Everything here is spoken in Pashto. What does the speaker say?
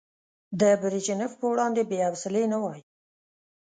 د بريژينف په وړاندې بې حوصلې نه وای.